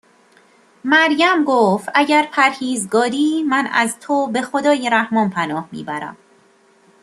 مریم گفت: اگر پرهیزگاری، من از تو به خدای رحمان پناه میبرم